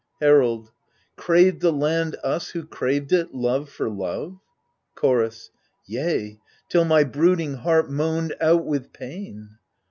Herald Craved the land us who craved it, love for love ? Chorus Yea, till my brooding heart moaned out with pain.